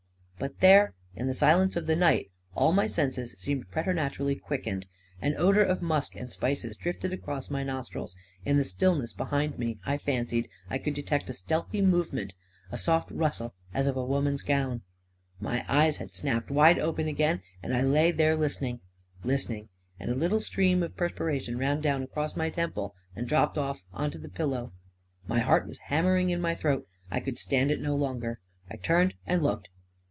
But there, in the silence of the night, all my senses seemed preter naturally quickened; an odor of musk and spices drifted across my nostrils; in the still ness behind me, I fancied I could detect a stealthy movement — a soft rustle, as of a woman's gown ... My eyes had snapped wide open again ; and I lay there listening, listening; and a little stream of per spiration ran down across my temple and dropped off upon the pillow; my heart was hammering in my throat — I could stand it no longer — I turned and looked